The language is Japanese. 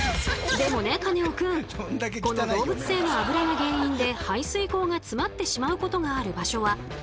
でもねカネオくんこの動物性のあぶらが原因で排水口が詰まってしまうことがある場所はほかにも。